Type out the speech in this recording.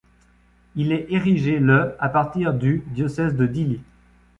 Il est érigé le à partir du diocèse de Dili.